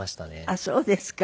あっそうですか。